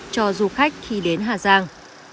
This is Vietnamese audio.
cho du khách khi đến hà giang